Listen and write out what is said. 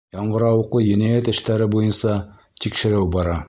Яңғырауыҡлы енәйәт эштәре буйынса тикшереү бара.